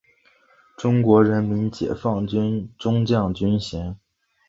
中国人民解放军中将军衔。